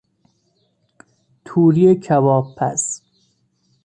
توری کباب پز